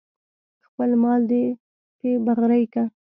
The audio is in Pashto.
خپل مال دې پې بغرۍ که.